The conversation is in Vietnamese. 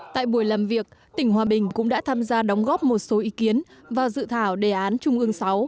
tại buổi làm việc tỉnh hòa bình cũng đã tham gia đóng góp một số ý kiến và dự thảo đề án trung ương sáu